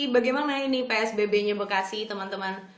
bagaimana ini psbb nya bekasi teman teman